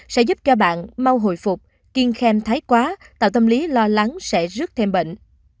sẽ giúp cho bạn mau hồi phục kiên khen thái quá tạo tâm lý lo lắng sẽ rước thêm bệnh